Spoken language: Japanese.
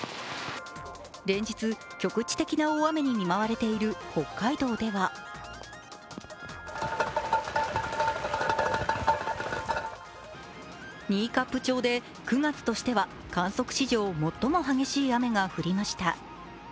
連日、局地的な大雨に見舞われている北海道では新冠町で９月としては観測史上最も激しい雨が降りました。